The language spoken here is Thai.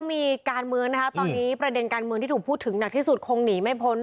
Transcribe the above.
มีการเมืองนะคะตอนนี้ประเด็นการเมืองที่ถูกพูดถึงหนักที่สุดคงหนีไม่พ้น